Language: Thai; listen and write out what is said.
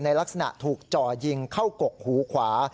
ลักษณะถูกจ่อยิงเข้ากกหูขวา